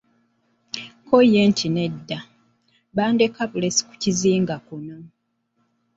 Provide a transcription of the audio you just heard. Ko ye nti nedda, bandeka bulesi ku kizinga kuno.